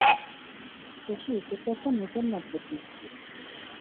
শশী, তোকে একটা নূতন মতলব দিচ্ছি।